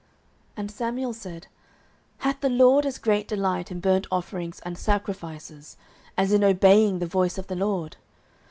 09:015:022 And Samuel said, Hath the LORD as great delight in burnt offerings and sacrifices, as in obeying the voice of the LORD?